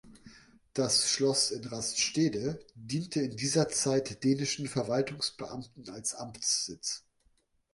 Das Schloss in Rastede diente in dieser Zeit dänischen Verwaltungsbeamten als Amtssitz.